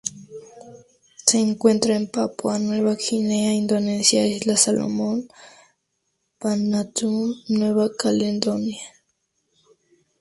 Se encuentra en Papúa Nueva Guinea, Indonesia Islas Salomón Vanuatu y Nueva Caledonia.